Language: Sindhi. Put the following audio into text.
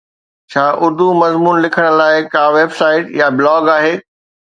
ڇا اردو مضمون لکڻ لاءِ ڪا ويب سائيٽ يا بلاگ آهي؟